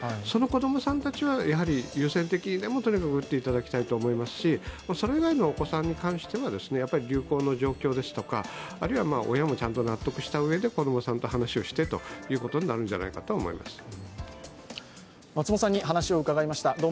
その子どもさんたちはやはり優先的にも打っていただきたいと思いますしそれ以外のお子さんに関しては流行の状況ですとか、あるいは親もちゃんと納得した上で、子供さんと話をしてということになるんじゃないかと思います。